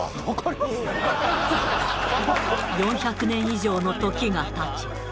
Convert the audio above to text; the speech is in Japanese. ４００年以上の時が経ち。